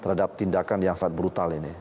terhadap tindakan yang sangat brutal ini